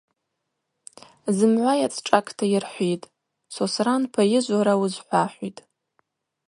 Зымгӏва йацшӏакӏта йырхӏвитӏ: — Сосранпа йыжвлара уызхӏвахӏвитӏ.